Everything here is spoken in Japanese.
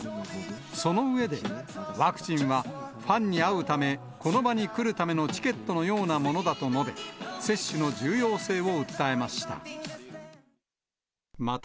その上で、ワクチンはファンに会うため、この場に来るためのチケットのようなものだと述べ、接種の重要性を訴えました。